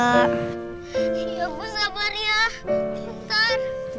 badan bagus sakit semua kak